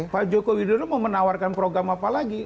pak joko widodo mau menawarkan program apa lagi